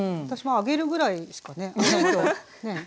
私も揚げるぐらいしかね。